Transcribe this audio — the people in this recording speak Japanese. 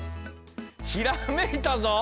ひらめいたぞ！